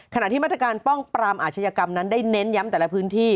ขณะที่มาตรการป้องปรามอาชญากรรมนั้นได้เน้นย้ำแต่ละพื้นที่